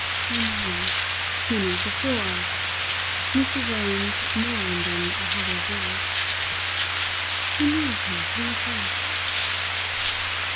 "He knew. He knew before!" Mr. Jones mourned in a hollow voice. "He knew of her from the first!"